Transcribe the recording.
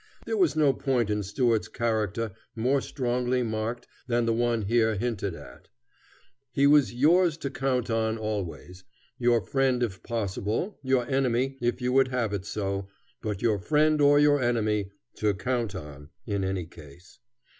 There was no point in Stuart's character more strongly marked than the one here hinted at. He was "yours to count on" always: your friend if possible, your enemy if you would have it so, but your friend or your enemy "to count on," in any case.